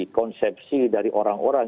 konsepsi dari orang orang